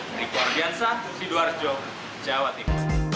dari kuar biansa bursi doarjo jawatik